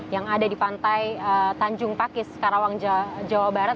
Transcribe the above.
yang ada di pantai tanjung pakis karawang jawa barat